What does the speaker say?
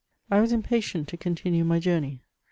I WAS impatient to continue my Journey.